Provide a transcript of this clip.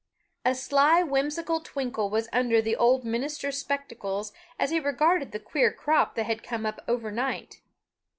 A sly, whimsical twinkle was under the old minister's spectacles as he regarded the queer crop that had come up overnight.